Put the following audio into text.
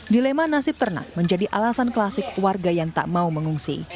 dilema nasib ternak menjadi alasan klasik warga yang tak mau mengungsi